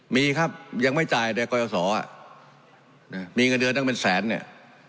มีครับยังไม่จ่ายแต่กรยศรมีเงินเดือนตั้งเป็นแสนเนี่ย